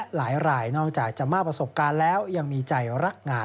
หลายรายนอกจากจะมากประสบการณ์แล้วยังมีใจรักงาน